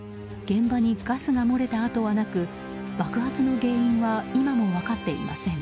現場にガスが漏れた跡はなく爆発の原因は今も分かっていません。